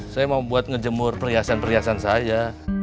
saya mau buat ngejemur perhiasan perhiasan saya